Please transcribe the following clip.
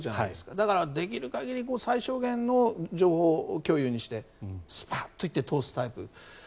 だから、できる限り最小限の情報共有にしてスパッといって通すタイプ。